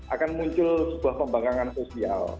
akan muncul sebuah pembangkangan sosial